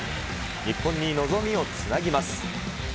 日本に望みをつなぎます。